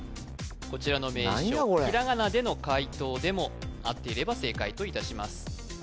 こちらの名称ひらがなでの解答でも合っていれば正解といたします